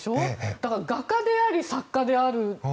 だから、画家であり作家である。